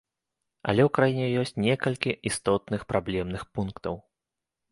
Але ў краіне ёсць некалькі істотных праблемных пунктаў.